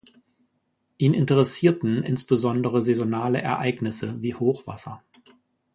Ihn interessierten insbesondere saisonale Ereignisse wie Hochwasser.